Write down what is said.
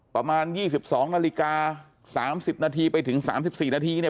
ประมาณ๒๒นาฬิกา๓๐นาทีไปถึง๓๔นาทีเนี่ย